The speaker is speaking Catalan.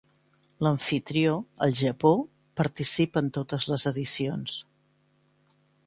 L'amfitrió, el Japó, participa en totes les edicions.